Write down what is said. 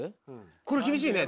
これ厳しいね。